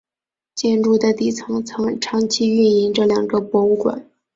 建筑的底层曾长期运营着两个博物馆。